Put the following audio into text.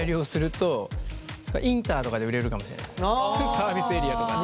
サービスエリアとかで。